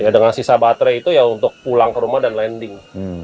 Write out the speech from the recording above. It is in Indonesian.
dengan sisa baterai itu ya untuk pulang ke rumah dan landing